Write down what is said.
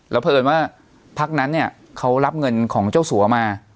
เพราะเอิญว่าพักนั้นเนี่ยเขารับเงินของเจ้าสัวมา